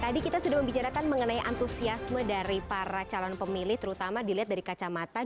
tadi kita sudah membicarakan mengenai antusiasme dari para calon pemilih terutama dilihat dari kacamata